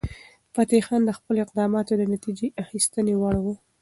فتح خان د خپلو اقداماتو د نتیجه اخیستنې وړ و.